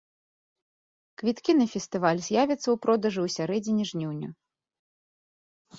Квіткі на фестываль з'явяцца ў продажы ў сярэдзіне жніўня.